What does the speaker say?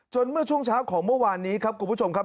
เมื่อช่วงเช้าของเมื่อวานนี้ครับคุณผู้ชมครับ